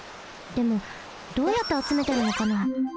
でもどうやってあつめてるのかな？